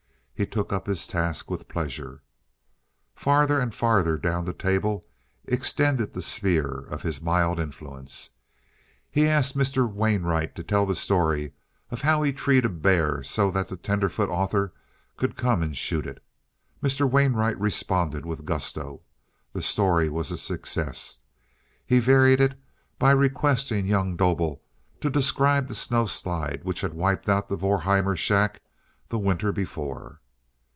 He took up his task with pleasure. Farther and farther down the table extended the sphere of his mild influence. He asked Mr. Wainwright to tell the story of how he treed the bear so that the tenderfoot author could come and shoot it. Mr. Wainwright responded with gusto. The story was a success. He varied it by requesting young Dobel to describe the snowslide which had wiped out the Vorheimer shack the winter before.